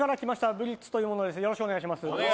ブリッツという者です。